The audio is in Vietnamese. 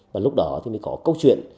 và lúc đó thì mới có câu chuyện